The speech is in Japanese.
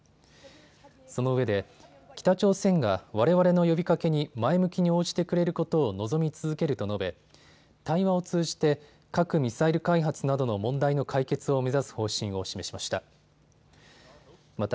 そのうえで北朝鮮がわれわれの呼びかけに前向きに応じてくれることを望み続けると述べ対話を通じて核・ミサイル開発などの問題の解決を目指す方針を示しました。